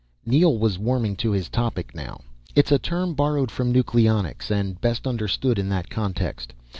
Neel was warming to his topic now. "It's a term borrowed from nucleonics, and best understood in that context.